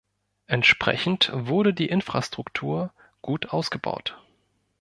Entsprechend wurde die Infrastruktur gut ausgebaut.